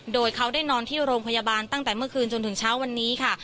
โดยเขาได้นอนที่โรงพยาบาลตั้งแต่เมื่อคืนจนถึงเช้าวันนี้ค่ะ